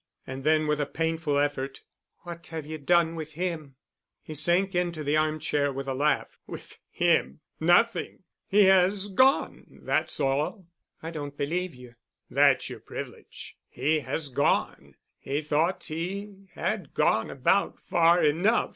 And then, with a painful effort, "What have you done with him?" He sank into the armchair with a laugh. "With him? Nothing. He has gone. That's all." "I don't believe you." "That's your privilege. He has gone. He thought he had gone about far enough.